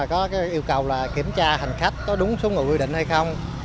có yêu cầu là kiểm tra hành khách có đúng số người quy định hay không